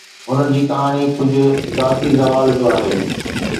هن جي ڪهاڻي ڪجهه ذاتي زوال جو آهي